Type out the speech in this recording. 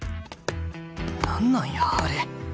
何なんやあれ。